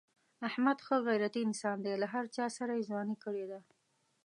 احمد ښه غیرتی انسان دی. له هر چاسره یې ځواني کړې ده.